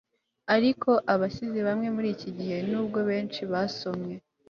ariko abasizi bamwe muri iki gihe, nubwo benshi basomwe